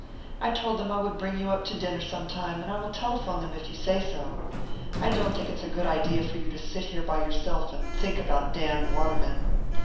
I told them I would bring you up to dinner sometime, and I will telephone them, if you say so. I don't think it's a good idea for you to sit here by yourself and think about Dan Waterman."